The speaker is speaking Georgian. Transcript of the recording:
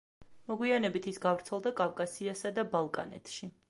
მოგვიანებით, ის გავრცელდა კავკასიასა და ბალკანეთში.